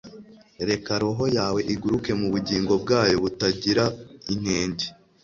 reka roho yawe iguruke mubugingo bwayo butagira inenge